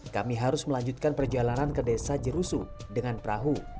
kami harus melanjutkan perjalanan ke desa jerusu dengan perahu